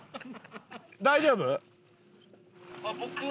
大丈夫？